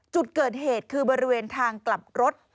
จุดเกิดเหตุคือบริเวณทางกลับรถ